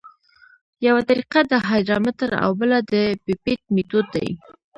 یوه طریقه د هایدرامتر او بله د پیپیټ میتود دی